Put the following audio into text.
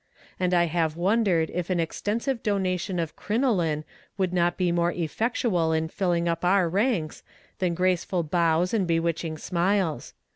And I have wondered if an extensive donation of "crinoline" would not be more effectual in filling up our ranks, than graceful bows and bewitching smiles.